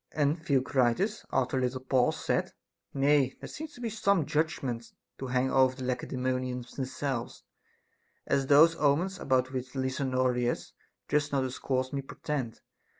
And The ocritus, after a little pause, said : Nay, there seem some judgments to hang over the Lacedaemonians themselves, as those omens about which Lysanoriclas just now dis coursed me portend.